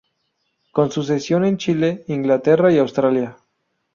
Con sucesión en Chile, Inglaterra y Australia.